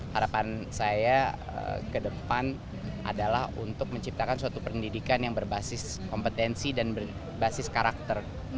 harapan saya ke depan adalah untuk menciptakan suatu pendidikan yang berbasis kompetensi dan berbasis karakter